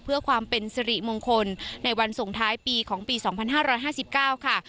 เพื่อความเป็นสิริมงคลในวันส่งท้ายปีของปี๒๕๕๙ค่ะ